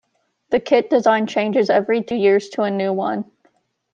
The kit design changes every two years to a new one.